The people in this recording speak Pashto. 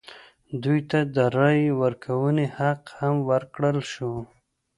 دوی ته د رایې ورکونې حق هم ورکړل شو.